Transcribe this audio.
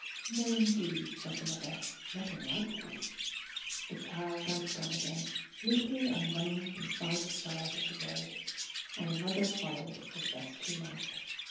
"No, indeed!" said the mother. "Nothing like one!" The child danced on again, leaping and running from side to side of the road, and the mother followed as best she might.